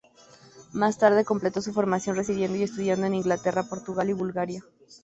Más tarde completó su formación residiendo y estudiando en Inglaterra, Portugal y Bulgaria.